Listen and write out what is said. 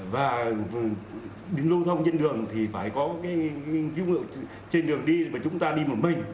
và lưu thông trên đường thì phải có dung lượng trên đường đi và chúng ta đi một mình